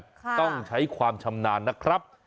ต้องใช้ความชำนาญนะครับ